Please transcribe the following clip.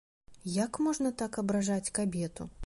Як можна так абражаць кабету?